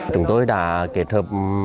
chúng tôi đã kết hợp